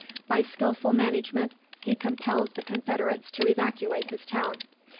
By skilful management, he compelled the Confederates to evacuate this town.